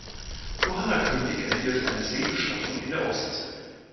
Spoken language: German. Johanna König erhielt eine Seebestattung in der Ostsee.